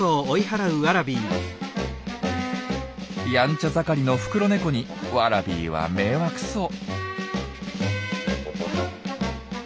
やんちゃ盛りのフクロネコにワラビーは迷惑そう。